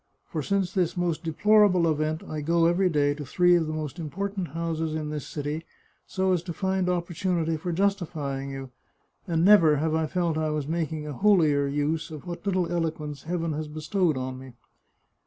For since this most deplorable event I go every day to three of the most important houses in this city, so as to find opportunity for justifying you, and never have I felt I was making a holier use of what little eloquence Heaven has bestowed on me."